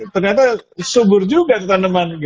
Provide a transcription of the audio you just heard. ternyata subur juga taneman